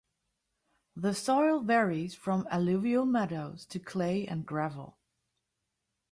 The soil varies from alluvial meadows to clay and gravel.